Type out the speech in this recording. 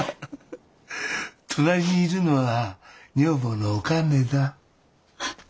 隣にいるのは女房のおかねだ。